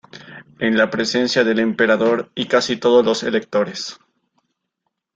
En la presencia del emperador y casi todos los electores.